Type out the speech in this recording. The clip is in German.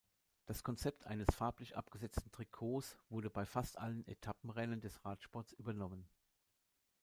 Das Konzept eines farblich abgesetzten Trikots wurde bei fast allen Etappenrennen des Radsports übernommen.